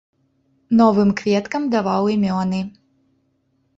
Новым кветкам даваў імёны.